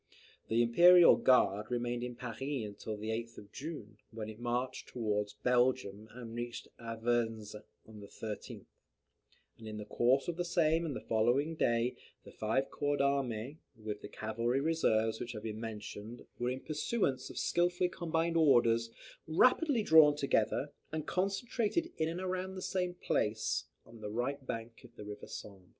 The Imperial Guard remained in Paris until the 8th of June, when it marched towards Belgium, and reached Avesnes on the 13th; and in the course of the same and the following day, the five corps d'armee with the cavalry reserves which have been mentioned, were, in pursuance of skilfully combined orders, rapidly drawn together, and concentrated in and around the same place, on the right bank of the river Sambre.